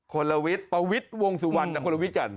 คนละวิทย์ปวิทย์วงสุวรรค์แต่คนละวิทย์จันทร์